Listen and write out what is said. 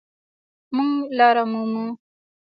مونږ لاره مومو